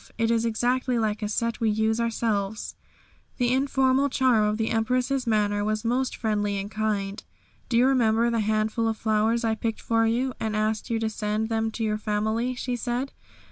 It is exactly like a set we use ourselves." The informal charm of the Empress's manner was most friendly and kind. "Do you remember the handful of flowers I picked for you, and asked you to send them to your family?" she said.